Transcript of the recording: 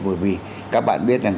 bởi vì các bạn biết rằng